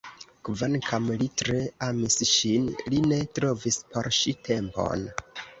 Kvankam li tre amis ŝin, li ne trovis por ŝi tempon.